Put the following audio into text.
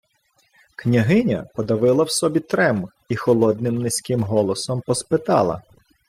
Княгиня подавила в собі трем і холодним низьким голосом поспитала: